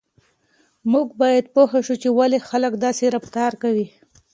موږ باید پوه شو چې ولې خلک داسې رفتار کوي.